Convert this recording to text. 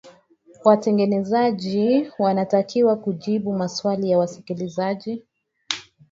watengenezaji wanatakiwa kujibu maswali ya wasikilizaji